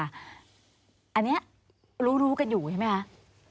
อันนี้รู้กันอยู่ใช่ไหมคะ